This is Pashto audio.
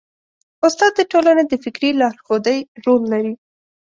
استاد د ټولنې د فکري لارښودۍ رول لري.